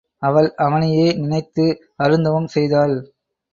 அவள் அவனையே நினைத்து அருந்தவம் செய்தாள்.